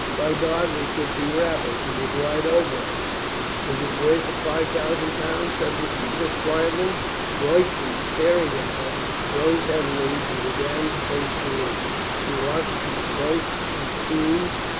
By God, we should be rabble. He would ride over us." "Is it worth a five thousand pound?" said Lu cinda quietly. Royston, staring at her, rose heavily and began to pace the room. She watched him close and keen.